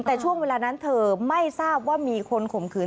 แต่ช่วงเวลานั้นเธอไม่ทราบว่ามีคนข่มขืน